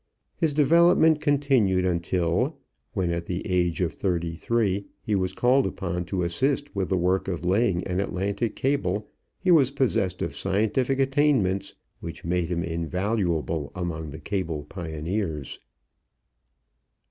His development continued until, when at the age of thirty three he was called upon to assist with the work of laying an Atlantic cable, he was possessed of scientific attainments which made him invaluable among the cable pioneers.